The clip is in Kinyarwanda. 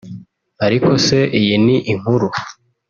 Ariko se iyi ni inkuru